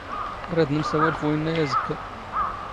ⵔⴰⴷ ⵏⵎⵙⴰⵡⴰⵍ ⵅⴼ ⵓⵢⵏⵏⴰ ⴰⵣⴽⴽⴰ.